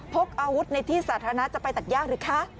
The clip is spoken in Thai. พกอาวุธในที่สาธารณะจะไปตัดยากหรือคะ